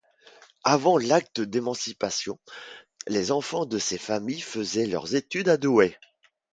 Avant l'Acte d'émancipation les enfants de ces familles faisaient leurs études à Douai.